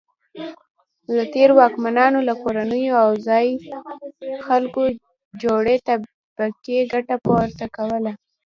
له تېرو واکمنانو له کورنیو او ځايي خلکو جوړې طبقې ګټه پورته کوله.